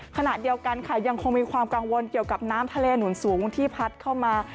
ขณะเดียวกันค่ะยังคงมีความกังวลเกี่ยวกับน้ำทะเลหนุนสูงที่พัดเข้ามา